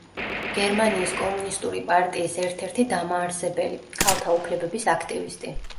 გერმანიის კომუნისტური პარტიის ერთ-ერთი დამაარსებელი, ქალთა უფლებების აქტივისტი.